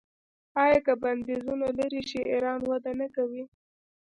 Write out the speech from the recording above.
آیا که بندیزونه لرې شي ایران وده نه کوي؟